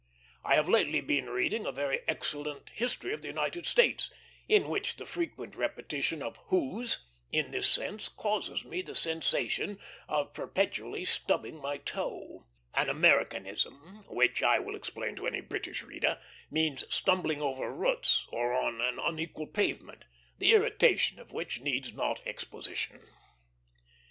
I have lately been reading a very excellent history of the United States, in which the frequent repetition of "whose" in this sense causes me the sensation of perpetually "stubbing" my toe; an Americanism, which, I will explain to any British reader, means stumbling over roots or on an unequal pavement, the irritation of which needs not exposition.